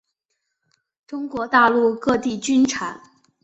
中国大陆各地均产。